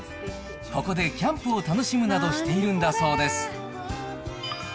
ここでキャンプを楽しむなどしているんだそうです。